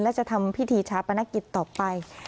และจะทำพิธีชาปนกิจต่อไป